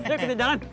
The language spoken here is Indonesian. yuk kita jalan